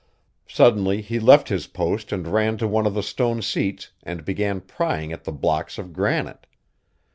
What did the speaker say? Suddenly he left his post and ran to one of the stone seats and began prying at the blocks of granite.